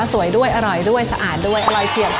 สวยด้วยอร่อยด้วยสะอาดด้วยอร่อยเฉียบ